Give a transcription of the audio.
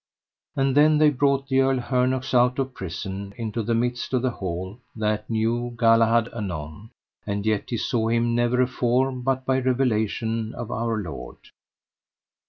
And then they brought the Earl Hernox out of prison into the midst of the hall, that knew Galahad anon, and yet he saw him never afore but by revelation of Our Lord.